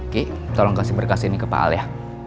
kek tolong kasih berkas ini ke pak al ya